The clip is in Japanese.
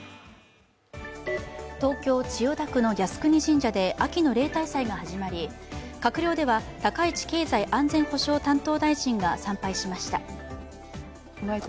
東京・千代田区の靖国神社で秋の例大祭が始まり閣僚では高市経済安全保障担当大臣が参拝しました。